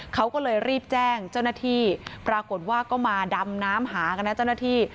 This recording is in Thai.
เขาก็เลยรีบแจ้งเจ้าหน้าที่ปรากฏว่าก็มาดำน้ำหากันนะเจ้าหน้าที่